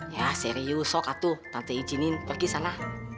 ya serius tante izinin pergi ke sana